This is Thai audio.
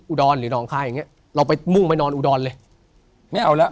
อุดรหรือหนองคายอย่างเงี้ยเราไปมุ่งไปนอนอุดรเลยไม่เอาแล้ว